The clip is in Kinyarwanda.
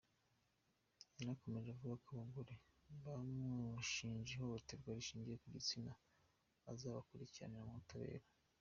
Yanakomeje avuga ko abagore bamushinje ihohotera rishingiye ku gitsina, azabakurikirana mu butabera.